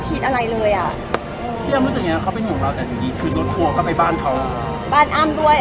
เพราะเบา๑๒๐๐รายมือ